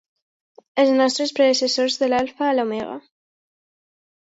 Els nostres predecessors de l'alfa a l'omega.